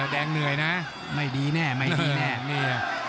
แดงเหนื่อยนะไม่ดีเนี่ยไม่ดีเนี่ย